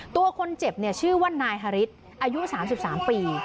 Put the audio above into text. ตัวคนเจ็บชื่อว่านายฮาริสอายุ๓๓ปี